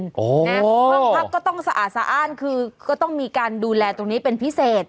ห้องพักก็ต้องสะอาดสะอ้านคือก็ต้องมีการดูแลตรงนี้เป็นพิเศษ